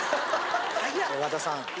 和田さん